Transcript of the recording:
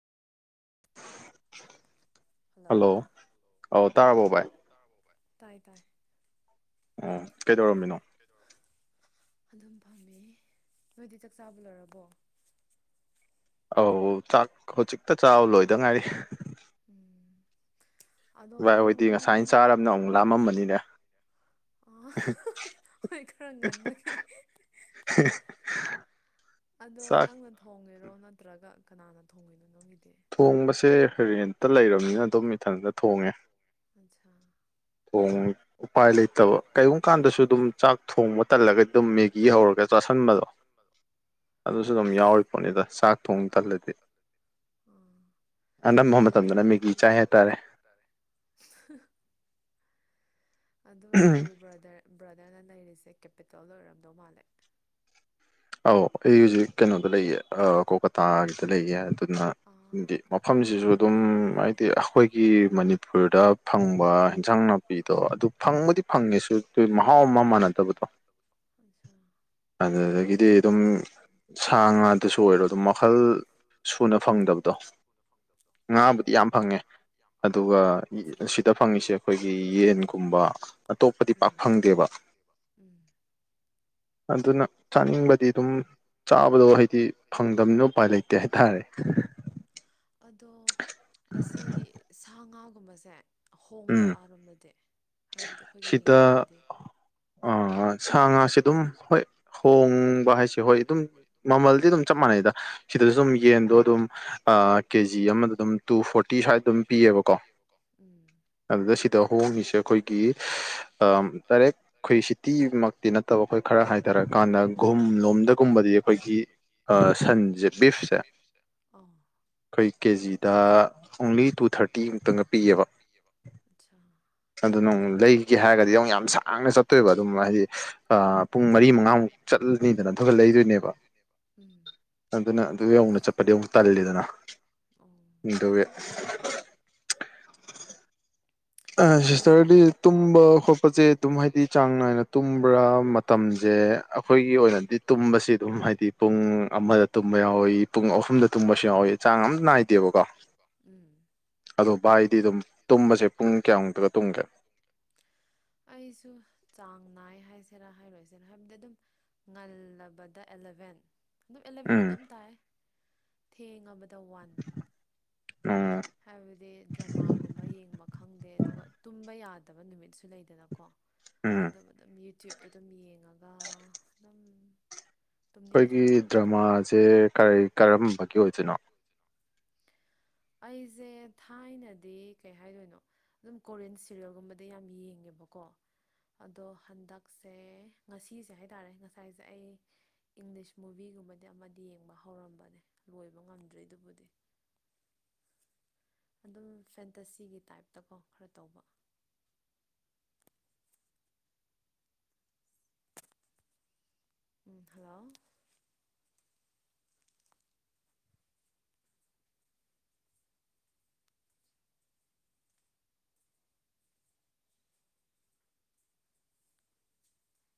hello ꯑꯧ ꯑꯣ ꯑꯣ ꯇꯥꯔꯕꯣ ꯚꯥꯏ ꯑꯣ ꯇꯥꯔꯕꯣ ꯕꯥꯏ ꯇꯥꯏ ꯇꯥꯏ ꯑꯣ ꯀꯩꯗꯧꯔꯝꯃꯤꯅꯣ ꯀꯩꯗꯧꯔꯝꯃꯤꯅꯣ ꯑꯗꯨꯝ ꯐꯝꯃꯦ ꯅꯣꯏꯗꯤ ꯆꯥꯛꯆꯥꯥꯕ ꯂꯣꯏꯔꯕꯣ ꯑꯧ ꯆꯥꯛ ꯍꯧꯖꯤꯛꯇ ꯆꯥꯕ ꯂꯣꯏꯗ ꯉꯥꯏꯔꯤ ꯎꯝ ꯑꯗꯣ ꯚꯥꯏ ꯅꯪ ꯍꯣꯏꯗꯤ ꯉꯁꯥꯏꯅ ꯆꯥꯔꯕꯅ ꯑꯃꯨꯛ ꯂꯥꯝꯃꯝꯃꯅꯤꯅꯦ [unintelligible] ꯍꯣꯏ ꯈꯔ ꯉꯟꯕꯒꯤ [unintelligible] ꯑꯗꯣ ꯆꯥꯛ ꯅꯪꯅ ꯊꯣꯡꯉꯦꯔꯣ ꯅꯠꯇ꯭ꯔꯒ ꯀꯅꯥꯅ ꯊꯣꯡꯉꯤꯅꯣ ꯅꯪꯒꯤꯗꯤ ꯊꯣꯡꯕꯁꯦ ꯔꯦꯟꯇ ꯂꯩꯔꯕꯅꯤꯅ ꯗꯨꯝ ꯏꯊꯟꯇ ꯊꯣꯡꯉꯦ ꯑꯟꯆꯥ ꯊꯣꯡꯉꯤ ꯎꯄꯥꯏ ꯂꯩ ꯇꯥꯥꯕ ꯀꯩꯒꯨꯝꯕ ꯀꯥꯟꯗꯁꯨ ꯗꯨꯝ ꯆꯥꯛ ꯊꯣꯡꯕ ꯇꯜꯂꯒꯗꯤ ꯗꯨꯝ ꯃꯦꯒꯤ ꯍꯧꯔꯒ ꯆꯥꯁꯟꯕꯗꯣ ꯑꯗꯨꯁꯨ ꯑꯗꯨꯝ ꯑꯩꯁ ꯌꯥꯎꯔꯤ ꯄꯣꯠꯅꯤꯗ ꯆꯥꯛ ꯊꯣꯡ ꯇꯜꯂꯗꯤ ꯎꯝ ꯑꯅꯝꯕ ꯑꯗꯨꯗꯤ ꯃꯇꯝꯗꯅ ꯃꯦꯒꯤ ꯑꯇꯣꯞꯄ ꯆꯥꯏ ꯃꯇꯝꯗꯅ ꯀꯩ ꯀꯩ ꯍꯥꯏꯇꯥꯔꯦ ꯆꯥꯏ ꯍꯥꯏꯇꯥꯔꯦ ꯑꯗꯨ ꯑꯣꯏꯔꯗꯤ ꯕ꯭ꯔꯗꯔ ꯕ꯭ꯔꯗꯔꯅ ꯂꯩꯔꯤꯁꯦ ꯀꯦꯄꯤꯇꯦꯜꯗ ꯑꯣꯏꯔꯝꯗꯧ ꯃꯥꯜꯂꯦ ꯑꯧ ꯑꯩ ꯍꯧꯖꯤꯛ ꯀꯩꯅꯣꯗ ꯂꯩꯌꯦ ꯑ ꯀꯣꯜꯀꯇꯥꯒꯤꯗ ꯂꯩꯌꯦ ꯑꯗꯨꯅ ꯗꯤ ꯑꯥ ꯀꯧꯕꯇꯥ ꯃꯐꯝꯁꯤꯁꯨ ꯑꯗꯨꯝ ꯍꯥꯏꯗꯤ ꯑꯩꯈꯣꯏꯒꯤ ꯃꯅꯤꯄꯨꯔꯗ ꯐꯪꯕ ꯏꯟꯖꯥꯡ ꯅꯥꯄꯤꯗꯣ ꯑꯗꯨ ꯐꯪꯕꯨꯗꯤ ꯐꯪꯉꯦꯁꯨ ꯑꯗꯨ ꯃꯍꯥꯎ ꯑꯃ ꯃꯥꯟꯅꯗꯕꯗꯣ ꯑꯆꯥꯥ ꯑꯗꯨꯗꯒꯤꯗꯤ ꯒꯤꯗꯤ ꯑꯗꯨꯝ ꯁꯥ ꯉꯥꯗꯁꯨ ꯑꯣꯏꯔꯣ ꯑꯗꯨꯝ ꯃꯈꯜ ꯁꯨꯅ ꯐꯪꯗꯕꯗꯣ ꯑꯣ ꯉꯥꯕꯨꯗꯤ ꯌꯥꯝ ꯐꯪꯉꯦ ꯑꯗꯨꯒ ꯑꯆꯥ ꯁꯤꯗ ꯐꯪꯉꯤꯁꯦ ꯑꯩꯈꯣꯏꯒꯤ ꯌꯦꯟꯒꯨꯝꯕ ꯑꯇꯣꯞꯄꯗꯤ ꯄꯥꯛ ꯐꯪꯗꯦꯕ ꯎꯝ ꯑꯗꯨꯅ ꯆꯥꯅꯤꯡꯕ ꯗꯤ ꯑꯗꯨꯝ ꯆꯥꯕꯗꯣ ꯍꯥꯏꯗꯤ ꯐꯪꯗꯕꯅꯤꯅ ꯎꯄꯥꯏ ꯂꯩꯇꯦ ꯍꯥꯏꯇꯥꯔꯦ ꯑꯗꯣ ꯑꯁꯤ ꯁꯥ ꯉꯥꯒꯨꯝꯕꯁꯦ ꯎꯝ ꯍꯣꯡꯕ꯭ꯔ ꯑꯥꯔꯣꯝꯗꯗꯤ ꯍꯥꯏꯕꯗꯤ ꯑꯩꯈꯣꯏꯒ ꯌꯦꯡꯅꯔꯗꯤ ꯑ ꯍꯣꯏ ꯁꯥ ꯉꯥꯁꯦ ꯑꯗꯨꯝ ꯍꯣꯏ ꯍꯣꯡꯕ ꯍꯥꯏꯁꯦ ꯍꯣꯏ ꯑꯗꯨꯝ ꯃꯃꯜꯗꯤ ꯑꯗꯨꯝ ꯆꯞ ꯃꯥꯟꯅꯩꯗ ꯁꯤꯗꯁꯨ ꯑꯗꯨꯝ ꯌꯦꯟꯗꯣ ꯑꯗꯨꯝ ꯑ ꯀꯦꯖꯤ ꯑꯃꯗ ꯑꯗꯨꯝ ꯇꯨ ꯐꯣꯔꯇꯤ ꯁ꯭ꯋꯥꯏꯗ ꯑꯗꯨꯝ ꯄꯤꯌꯦꯕꯀꯣ ꯎꯝ ꯑꯗꯨꯗ ꯁꯤꯗ ꯍꯣꯡꯉꯤꯁꯦ ꯑꯩꯈꯣꯏꯒꯤ ꯑ ꯗꯥꯏꯔꯦꯛ ꯑꯩꯈꯣꯏ ꯁꯤꯇꯤꯃꯛꯇꯤ ꯅꯠ ꯇꯕ ꯑꯩꯈꯣꯏ ꯈꯔ ꯍꯥꯏꯇꯥꯔꯀꯥꯟꯗ ꯒꯨꯝ ꯂꯣꯝꯗꯒꯨꯝꯕꯗꯤ ꯑꯩꯈꯣꯏꯒꯤ ꯑ ꯁꯟꯁꯦ ꯕꯤꯐꯁꯦ ꯑꯧ ꯈꯣꯏ ꯀꯦ ꯑꯩꯈꯣꯏ ꯀꯦꯖꯤꯗ ꯑꯣꯡꯂꯤ ꯇꯨ ꯊꯥꯔꯇꯤ ꯃꯨꯛꯇꯪꯒ ꯄꯤꯌꯦꯕ ꯑꯁꯥ ꯑꯗꯨꯅ ꯑꯃꯨꯛ ꯂꯩꯒꯦ ꯍꯥꯏꯔꯒꯗꯤ ꯑꯃꯨꯛ ꯌꯥꯝ ꯁꯥꯡꯅ ꯆꯠꯇꯣꯏꯕ ꯑꯗꯨꯝ ꯍꯥꯏꯗꯤ ꯑ ꯄꯨꯡ ꯃꯔꯤ ꯃꯉꯥꯃꯨꯛ ꯆꯠꯂꯅꯤꯗꯅ ꯑꯗꯨꯒ ꯂꯩꯗꯣꯏꯅꯦꯕ ꯎꯝ ꯑꯗꯨꯅ ꯑꯗꯨ ꯌꯧꯅ ꯆꯠꯄꯗꯤ ꯑꯃꯨꯛ ꯇꯜꯂꯤꯗꯅ ꯑꯣ ꯑꯗꯨꯒꯤ ꯑ ꯑꯗꯣ ꯁꯤꯁꯇꯔꯗꯤ ꯇꯨꯝꯕ ꯈꯣꯠꯄꯁꯦ ꯑꯗꯨꯝ ꯍꯥꯏꯗꯤ ꯆꯥꯡ ꯅꯥꯏꯅ ꯇꯨꯝꯕ꯭ꯔꯥ ꯃꯇꯝꯖꯦ ꯑꯩꯈꯣꯏꯒꯤ ꯑꯣꯏꯅꯗꯤ ꯇꯨꯝꯕꯁꯤ ꯑꯗꯨꯝ ꯍꯥꯏꯗꯤ ꯄꯨꯡ ꯑꯃꯗ ꯇꯨꯝꯕ ꯌꯥꯎꯋꯤ ꯄꯨꯡ ꯑꯍꯨꯝꯗ ꯇꯨꯝꯕꯁꯨ ꯌꯥꯎꯋꯤ ꯆꯥꯡ ꯑꯝ ꯅꯥꯏꯗꯦꯕꯀꯣ ꯎꯝ ꯑꯗꯣ ꯚꯥꯏꯗꯤ ꯑꯗꯨꯝ ꯇꯨꯝꯕꯁꯦ ꯇꯨꯝꯕꯁꯦ ꯄꯨꯡ ꯀꯌꯥꯃꯨꯛꯇ [inaudible] ꯑꯩꯁꯨ ꯆꯥꯡ ꯅꯥꯏ ꯍꯥꯏꯁꯤꯔꯥ ꯍꯥꯏꯔꯣꯏꯁꯤꯔꯥ ꯍꯥꯏꯕꯗꯤ ꯑꯗꯨꯝ ꯉꯜꯂꯕꯗ ꯑꯦꯂꯕꯦꯟ ꯑꯗꯨꯝ ꯑꯦꯂꯚꯦꯟ ꯎꯝ ꯑꯗꯨꯝ ꯇꯥꯏ ꯊꯦꯡꯉꯕꯗ ꯋꯥꯟ ꯎꯝ ꯍꯥꯏꯕꯗꯤ ꯗ꯭ꯔꯃꯥ ꯒꯨꯝꯕ ꯌꯦꯡꯕ ꯈꯪꯗꯦ ꯑꯗꯨꯒ ꯇꯨꯝꯕ ꯌꯥꯗꯕ ꯅꯨꯃꯤꯠꯁꯨ ꯂꯩꯗꯅꯀꯣ ꯎꯝ ꯑꯗꯨ ꯑꯗꯨꯝ ꯌꯨꯇ꯭ꯌꯨꯕꯇ ꯑꯗꯨꯝ ꯌꯦꯡꯉꯒ ꯑꯗꯨꯝ ꯇꯨꯝꯅꯤꯡꯗ꯭ꯔꯤ ꯑꯩꯈꯣꯏꯒꯤ ꯐꯥꯎ ꯗ꯭ꯔꯃꯥꯁꯦ ꯀꯔꯤ ꯀꯔꯝꯕꯒꯤ ꯑꯣꯏꯗꯣꯏꯅꯣ [unintelligible] ꯑꯩꯁꯦ ꯊꯥꯏꯅꯗꯤ ꯀꯩ ꯍꯥꯏꯗꯣꯏꯅꯣ ꯑꯗꯨꯝ ꯀꯣꯔꯤꯌꯟ ꯁꯤꯔꯤꯜꯒꯨꯝꯕꯗ ꯌꯥꯝ ꯌꯦꯡꯉꯦꯕꯀꯣ ꯑꯗꯣ ꯍꯟꯗꯛꯁꯦ ꯉꯁꯤꯁꯦ ꯍꯥꯏꯇꯥꯔꯦ ꯉꯁꯥꯏꯁꯦ ꯑꯩ ꯏꯪꯂꯤꯁ ꯃꯨꯚꯤꯒꯨꯝꯕꯗꯤ ꯑꯃꯗꯤ ꯌꯦꯡꯕ ꯍꯧꯔꯝꯕꯅꯦ ꯂꯣꯏꯕ ꯉꯝꯗ꯭ꯔꯤ ꯑꯗꯨꯕꯨꯗꯤ ꯑꯗꯨꯝ ꯐꯦꯟꯇꯁꯤꯒꯤ ꯇꯥꯞꯇꯀꯣ ꯈꯔ ꯇꯧꯕ ꯎꯝ ꯍꯜꯂꯣ